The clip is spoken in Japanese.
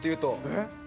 えっ？